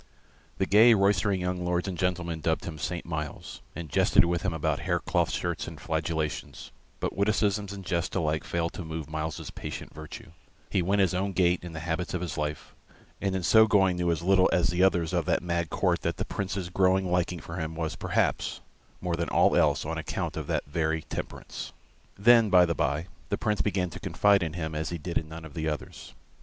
The gay, roistering young lords and gentlemen dubbed him Saint Myles, and jested with him about hair cloth shirts and flagellations, but witticism and jest alike failed to move Myles's patient virtue; he went his own gait in the habits of his life, and in so going knew as little as the others of the mad court that the Prince's growing liking for him was, perhaps, more than all else, on account of that very temperance. Then, by and by, the Prince began to confide in him as he did in none of the others.